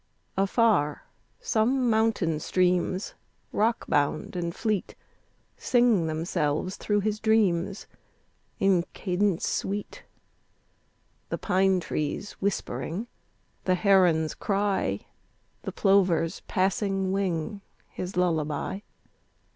Afar some mountain streams, rockbound and fleet, Sing themselves through his dreams in cadence sweet, The pine trees whispering, the heron's cry, The plover's passing wing, his lullaby.